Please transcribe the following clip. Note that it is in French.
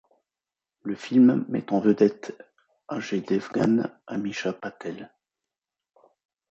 Le film met en vedette Ajay Devgan, Ameesha Patel.